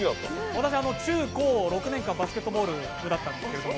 私、中高６年間、バスケットボール部だったんです。